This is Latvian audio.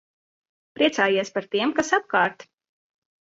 Priecājies par tiem, kas apkārt.